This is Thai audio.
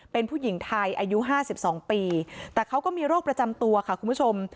เป็นผู้หญิงไทยอายุ๕๒ปีแต่เขาก็มีโรคประจำตัวค่ะคุณผู้ชม